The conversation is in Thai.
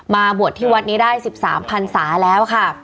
มาบวชที่วัดนี้ได้๑๓พันศาแล้วค่ะ